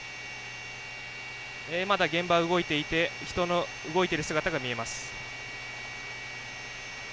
まだ現場、動いていて人の動いている姿が見えます。